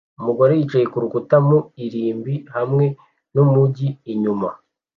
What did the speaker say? Umugore yicaye ku rukuta mu irimbi hamwe n’umugi inyuma